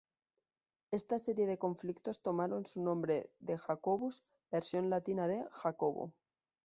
Esta serie de conflictos tomaron su nombre de "Jacobus", versión latina de "Jacobo".